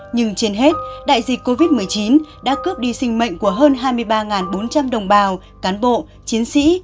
nhưng trên hết đại dịch covid một mươi chín đã cướp đi sinh mệnh của hơn hai mươi ba bốn trăm linh đồng bào cán bộ chiến sĩ